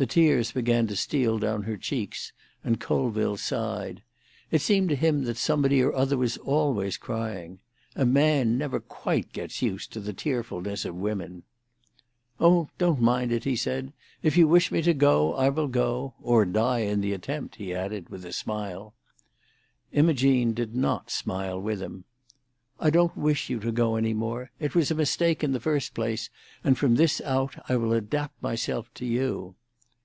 The tears began to steal down her cheeks, and Colville sighed. It seemed to him that somebody or other was always crying. A man never quite gets used to the tearfulness of women. "Oh, don't mind it," he said. "If you wish me to go, I will go! Or die in the attempt," he added, with a smile. Imogene did not smile with him. "I don't wish you to go any more. It was a mistake in the first place, and from this out I will adapt myself to you."